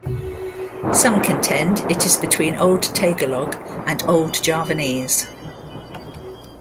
Some contend it is between Old Tagalog and Old Javanese.